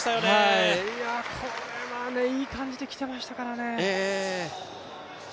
これはね、いい感じてきてましたからね。